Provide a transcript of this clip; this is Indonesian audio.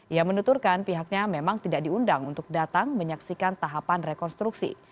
ia menuturkan pihaknya memang tidak diundang untuk datang menyaksikan tahapan rekonstruksi